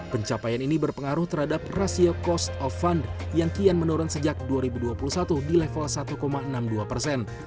pencapaian ini berpengaruh terhadap rasio cost of fund yang kian menurun sejak dua ribu dua puluh satu di level satu enam puluh dua persen